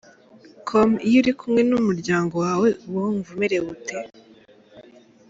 com: Iyo uri kumwe n’umuryango wawe uba wumva umerewe ute?.